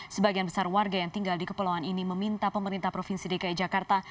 sebagian besar warga yang tinggal di kepulauan ini meminta pemerintah provinsi dki jakarta